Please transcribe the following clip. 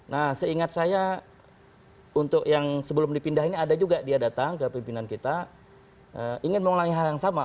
nah seingat saya untuk yang sebelum dipindah ini ada juga dia datang ke pimpinan kita ingin mengulangi hal yang sama